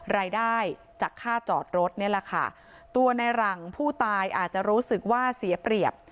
รายได้จากค่าจอดรถนี่แหละค่ะตัวในหลังผู้ตายอาจจะรู้สึกว่าเสียเปรียบ